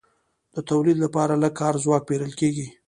د تولید لپاره لږ کاري ځواک پېرل کېږي